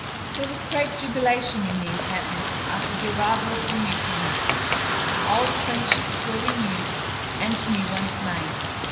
There was great jubilation in the encampment after the arrival of the newcomers, old friendships were renewed and new ones made.